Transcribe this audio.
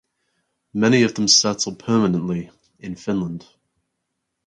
Many of them settled permanently in Finland.